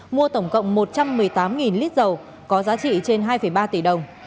mua tổng cộng một trăm một mươi tám lít dầu có giá trị trên hai ba tỷ đồng